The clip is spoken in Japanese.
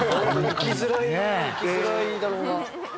生きづらいだろうな。